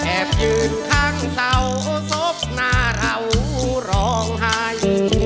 ยืนข้างเตาศพหน้าเราร้องไห้